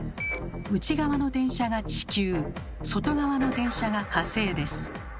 内側の電車が地球外側の電車が火星です。